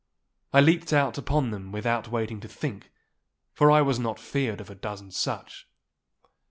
I leaped out upon them without waiting to think, for I was not feared of a dozen such.